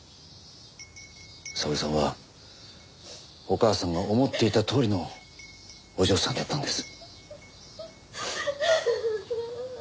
沙織さんはお母さんが思っていたとおりのお嬢さんだったんです。